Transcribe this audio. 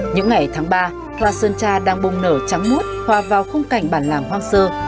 những ngày tháng ba hoa sơn cha đang bùng nở trắng mút hoa vào không cảnh bản làng hoang sơ